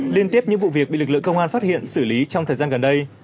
liên tiếp những vụ việc bị lực lượng công an phát hiện xử lý trong thời gian gần đây